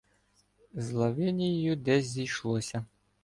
З Лавинією десь зійшлося